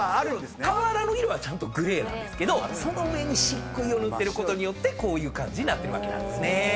瓦の色はグレーなんですけどその上に漆喰を塗ることによってこういう感じになってるんですね。